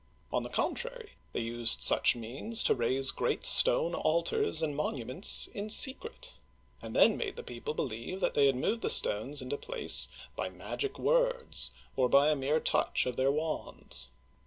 On the contrary, they used such means to raise great stone altars and monuments in secret, and then made the people believe that they had moved the stones into place by magic words, or by a mere touch of their wands.